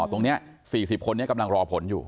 ตรงนี้๔๐คนนี้กำลังรอผลอยู่